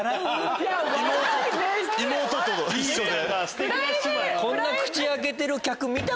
妹と一緒で。